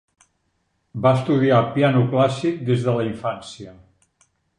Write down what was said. Va estudiar piano clàssic des de la infància.